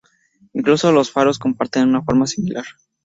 Incluso los faros comparten una forma similar.